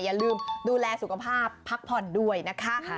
อย่าลืมดูแลสุขภาพพักผ่อนด้วยนะคะ